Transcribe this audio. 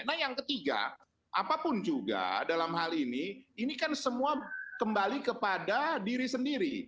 nah yang ketiga apapun juga dalam hal ini ini kan semua kembali kepada diri sendiri